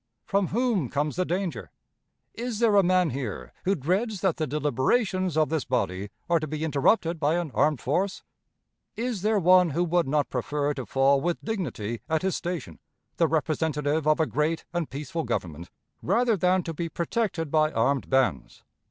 From whom comes the danger? Is there a man here who dreads that the deliberations of this body are to be interrupted by an armed force? Is there one who would not prefer to fall with dignity at his station, the representative of a great and peaceful Government, rather than to be protected by armed bands?